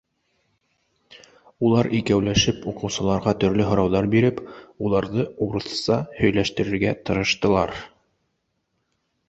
Улар икәүләшеп, уҡыусыларға төрлө һорауҙар биреп, уларҙы урыҫса һөйләштерергә тырыштылар.